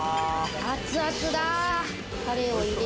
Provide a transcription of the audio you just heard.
熱々だ。